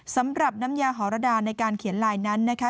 สำหรับน้ำยาหอรดาในการเขียนลายนั้นนะคะ